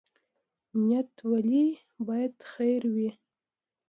نیت ولې باید خیر وي؟